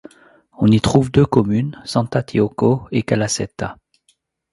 On y trouve deux communes, Sant'Antioco et Calasetta.